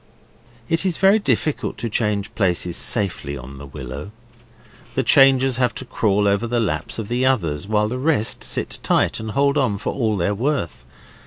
It is very difficult to change places safely on the willow. The changers have to crawl over the laps of the others, while the rest sit tight and hold on for all they're worth.